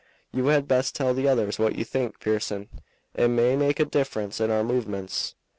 "You had best tell the others what you think, Pearson. It may make a difference in our movements."